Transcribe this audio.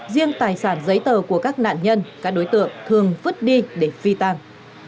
riêng tài sản giấy tờ của các nạn nhân các đối tượng thường vứt đi để phi tàng